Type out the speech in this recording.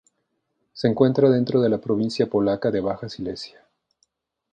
Se encuentra dentro de la provincia polaca de Baja Silesia.